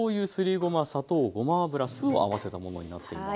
ごま砂糖ごま油酢を合わせたものになっています。